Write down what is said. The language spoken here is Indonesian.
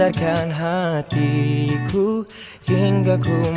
aku juga pulang kok